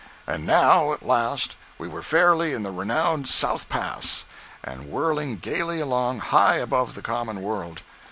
And now, at last, we were fairly in the renowned SOUTH PASS, and whirling gayly along high above the common world.